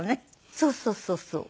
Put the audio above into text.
そうそうそうそう。